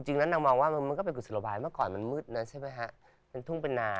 จริงแล้วน้องมองว่ามันก็เป็นกุศลวายเมื่อก่อนมันมืดมันทุ่งเป็นนา